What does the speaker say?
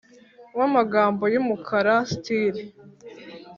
wa magambo y’umukara tsiri.